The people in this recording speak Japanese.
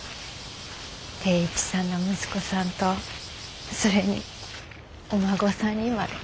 定一さんの息子さんとそれにお孫さんにまで。